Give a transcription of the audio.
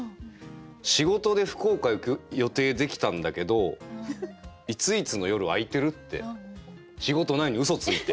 「仕事で福岡行く予定できたんだけどいついつの夜空いてる？」って仕事ないのにウソついて。